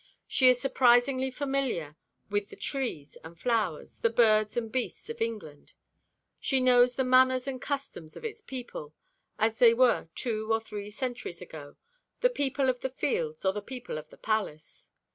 She is surprisingly familiar with the trees and flowers, the birds and beasts of England. She knows the manners and customs of its people as they were two or three centuries ago, the people of the fields or the people of the palace.